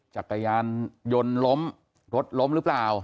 จักรยานยนต์ล้มรถล้มหรือเปล่า